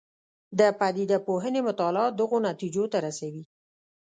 د پدیده پوهنې مطالعات دغو نتیجو ته رسوي.